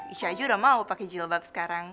ica aja udah mau pake jilbab sekarang